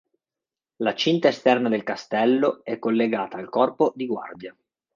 La cinta esterna del castello è collegata al corpo di guardia.